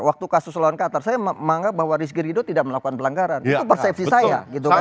waktu kasus lawan qatar saya menganggap bahwa rizky ridho tidak melakukan pelanggaran itu persepsi saya gitu kan